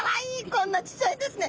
こんなちっちゃいんですね。